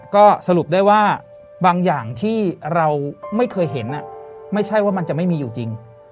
ก็สรุปได้ว่าบางอย่างที่เราไม่เคยเห็นไม่ใช่ว่ามันจะไม่มีอยู่จริง